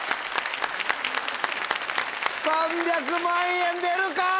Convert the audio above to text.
３００万円出るか⁉